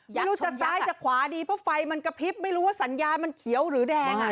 ไม่รู้จะซ้ายจะขวาดีเพราะไฟมันกระพริบไม่รู้ว่าสัญญาณมันเขียวหรือแดงอ่ะ